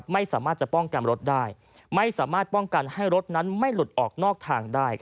ไม่สามารถจะป้องกันรถได้ไม่สามารถป้องกันให้รถนั้นไม่หลุดออกนอกทางได้